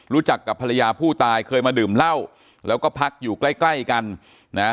รู้จักกับภรรยาผู้ตายเคยมาดื่มเหล้าแล้วก็พักอยู่ใกล้ใกล้กันนะ